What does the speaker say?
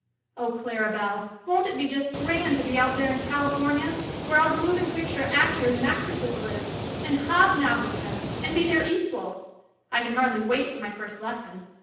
Oh, Clara Bell, won't it be just grand to be out there in California where all the moving picture actors and actresses live and hob nob with them and be their equal ! 1 can hardly wait for my first lesson.